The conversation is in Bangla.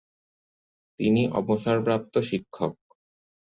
তিনি অবসরপ্রাপ্ত শিক্ষক।